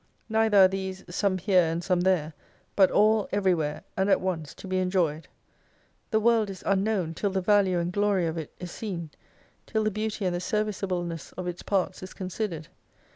Neither are these, some here, and some there, but all every where, and at once to be enjoyed. The WORLD is unknown, till the Value and Glory of it is seen : till the Beauty and the Serviceableness of its parts is considered.